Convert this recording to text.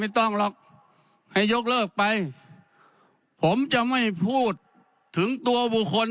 ต้องหรอกให้ยกเลิกไปผมจะไม่พูดถึงตัวบุคคล